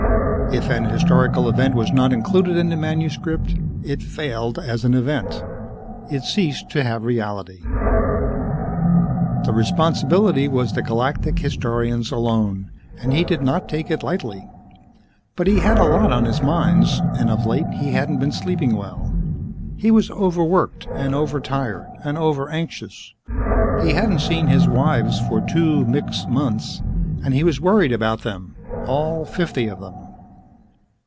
If an historical event was not included in the manuscript, it failed as an event. It ceased to have reality. The responsibility was the Galactic Historian's alone and he did not take it lightly. But he had a lot on his minds and, of late, he hadn't been sleeping well. He was overworked and over tired and over anxious. He hadn't seen his wives for two Mixxx months and he was worried about them all fifty of them.